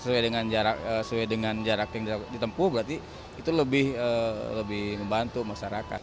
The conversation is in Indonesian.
sesuai dengan jarak yang ditempuh berarti itu lebih membantu masyarakat